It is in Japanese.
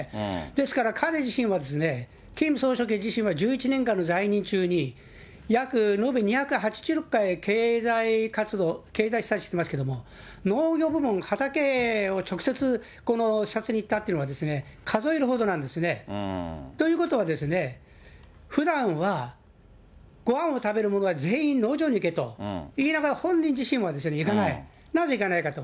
ですから、彼自身はキム総書記自身は１１年間の在任中に、約延べ２８０回経済活動、経済視察してますけど、農業部門、畑を直接視察に行ったっていうのは、数えるほどなんですね。ということはですね、ふだんはごはんを食べる者は全員農場に行けと言いながら、本人自身は行かない、なぜ行かないかと。